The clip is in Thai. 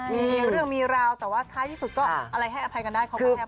มีเรื่องมีราวแต่ว่าท้ายที่สุดก็อะไรให้อภัยกันได้เขาก็แทบ